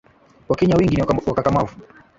Wakenya wengi ni wakakamavu